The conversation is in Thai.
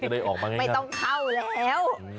ไม่ต้องเข้าแล้ว